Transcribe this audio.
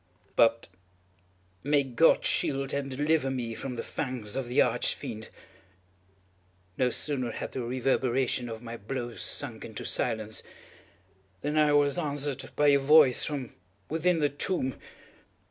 But may God shield and deliver me from the fangs of the Arch Fiend! No sooner had the reverberation of my blows sunk into silence, than I was answered by a voice from within the tomb!